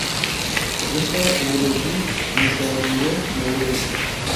ubusa uburezi Umusaruro mu burezi